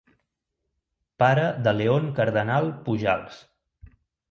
Pare de León Cardenal Pujals.